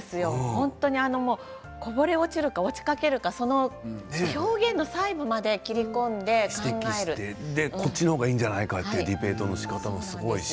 本当に、こぼれ落ちるか落ちかけるか指摘してそれでこっちの方がいいんじゃないかというディベートのしかたもするし。